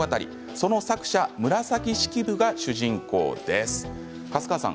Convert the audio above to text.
その作者、紫式部が主人公です。